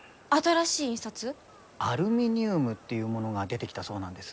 アルミニウムっていうものが出てきたそうなんです。